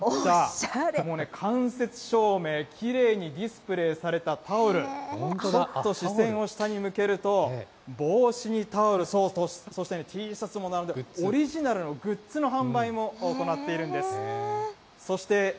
もうね、バーかカフェかといった、もうね、間接照明、きれいにディスプレーされたタオル、ちょっと視線を下に向けると、帽子にタオル、そう、そしてね、Ｔシャツも並んでね、オリジナルのグッズの販売も行っているんです。